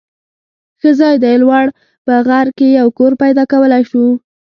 ښه ځای دی. لوړ په غر کې یو کور پیدا کولای شو.